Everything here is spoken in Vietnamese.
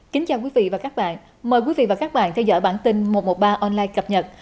kính chào quý vị và các bạn mời quý vị và các bạn theo dõi bản tin một trăm một mươi ba online cập nhật